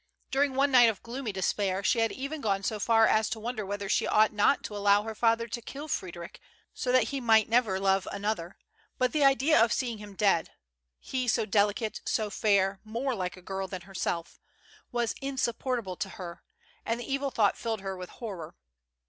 During one night of gloomy despair she had even gone so far as to wonder whether she ought not to allow her father to kill Frederic, so that he might never love another ; but the idea of seeing him dead — he so deli cate, so fair, more like a girl than herself — was insup portable to her, and the evil thought filled her with horror.